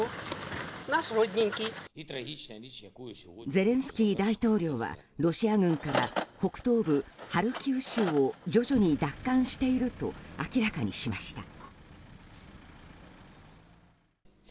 ゼレンスキー大統領はロシア軍から北東部ハルキウ州を徐々に奪還していると明らかにしました。